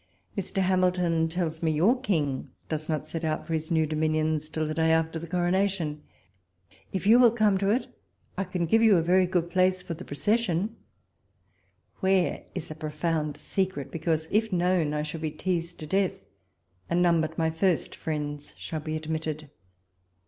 Mr. Hamilton tells me your King docs not set out for his new dominions till the day after the Coronation ; if you will come to it, 1 can give you a very good place for the procession ; where, is a profound secret, because, if known, I should be teased to death, and none but my first friends walpole's letters. 85 shall be admitted.